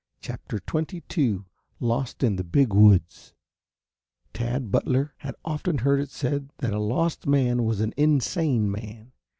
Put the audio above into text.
CHAPTER XXII LOST IN THE BIG WOODS Tad Butler had often heard it said that a lost man was an insane man.